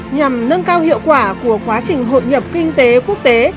nhằm nâng cao hiệu quả của quá trình hội nhập kinh tế quốc tế